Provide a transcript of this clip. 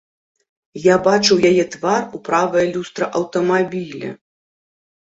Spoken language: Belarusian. Я бачыў яе твар у правае люстра аўтамабіля.